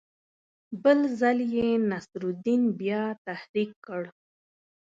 بل ځل یې نصرالدین بیا تحریک کړ.